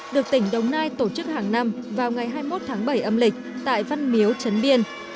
được tỉnh đồng nai tổ chức hàng năm vào ngày hai mươi một tháng bảy âm lịch tại văn miếu trấn biên